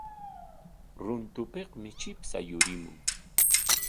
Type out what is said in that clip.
Runtupikmi chipsha yurimun.